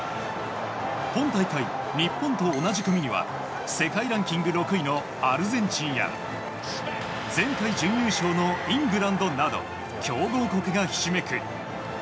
今大会、日本と同じ組には世界ランキング６位のアルゼンチンや前回準優勝のイングランドなど強豪国がひしめく。